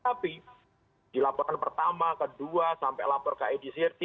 tapi dilaporkan pertama kedua sampai lapor ke adcrt